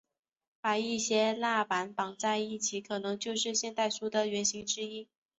把一些蜡板绑在一起可能就是现代书的原型之一。